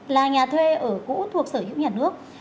là nhà thuê ở cũ thuộc sở hữu nhà nước